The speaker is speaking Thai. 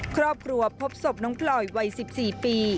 ครอบครัวพบศพน้องพลอยวัย๑๔ปี